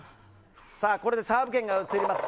これでサーブ権が移ります。